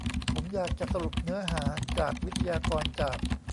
ผมอยากจะสรุปเนื้อหาจากวิทยากรจาก